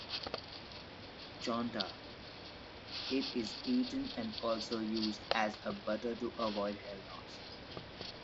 Chonta: It is eaten and also used as a butter to avoid hair loss.